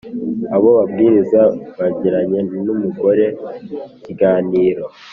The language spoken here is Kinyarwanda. Abo babwiriza bagiranye n , mugore ikiganiro